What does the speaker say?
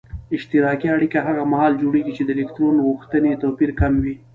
اشتراکي اړیکه هغه محال جوړیږي چې د الکترون غوښتنې توپیر کم وي.